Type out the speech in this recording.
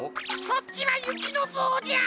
そっちはゆきのぞうじゃ。